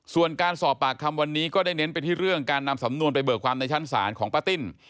ส่วนการสอบปากคำวันนี้ก็ได้เน้นไปที่เรื่องการนำสำนวนไปเบิกความในชั้นศาลของป้าติ้น